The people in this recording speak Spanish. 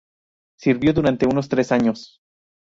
Sirvió durante unos tres años.